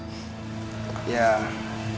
masih belum ada yang seret